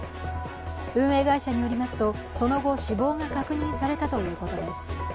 運営会社によりますと、その後、死亡が確認されたということです。